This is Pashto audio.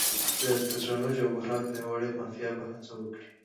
د تشنج او بحران پیاوړې مافیا به هڅه وکړي.